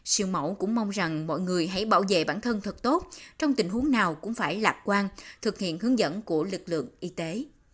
siêu mẫu cũng mong rằng mọi người hãy bảo vệ bản thân thật tốt trong tình huống nào cũng phải lạc quan thực hiện hướng dẫn của lực lượng y tế